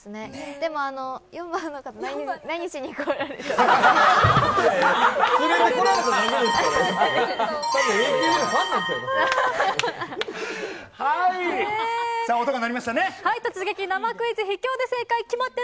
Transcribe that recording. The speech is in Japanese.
でも４番の方、何しに来られたって。